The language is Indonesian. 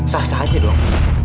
sah sah aja dong